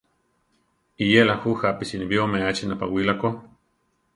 Iyéla ju jápi sinibí omeachi napawíla ko.